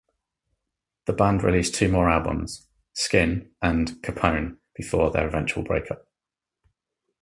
The band released two more albums, "Skin" and "Kepone", before their eventual break up.